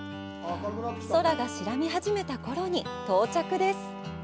空が白み始めたころに到着です。